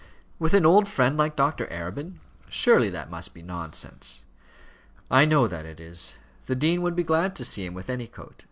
with an old friend like Dr. Arabin? Surely that must be nonsense." "I know that it is. The dean would be glad to see him with any coat.